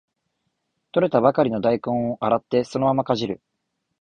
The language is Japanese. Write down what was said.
採れたばかりの大根を洗ってそのままかじる